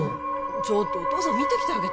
ちょっとお父さん見てきてあげて・